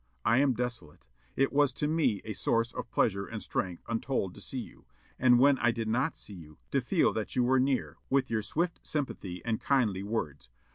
I am desolate. It was to me a source of pleasure and strength untold to see you; and, when I did not see you, to feel that you were near, with your swift sympathy and kindly words.